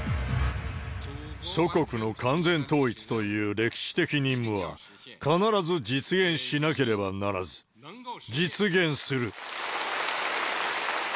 祖国の完全統一という歴史的任務は、必ず実現しなければならず、実現する。